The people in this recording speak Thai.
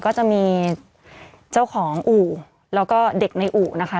ก็จะมีเจ้าของอู่แล้วก็เด็กในอู่นะคะ